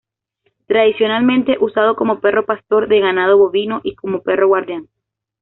Tradicionalmente usado como perro pastor de ganado bovino y como perro guardián.